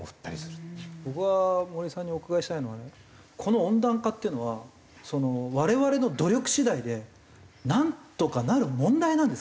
僕が森さんにお伺いしたいのはねこの温暖化っていうのは我々の努力次第でなんとかなる問題なんですか？